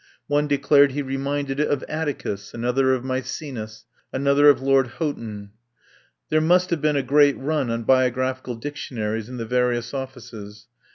One declared he reminded it of Atticus, another of Maecenas, another of Lord Houghton. There must have been a great run on biographical dictionaries in the various offices.